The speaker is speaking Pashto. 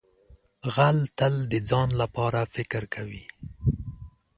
غل تل د ځان لپاره فکر کوي